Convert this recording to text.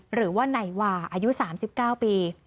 หรือว่าไหนวาอายุ๓๙ปี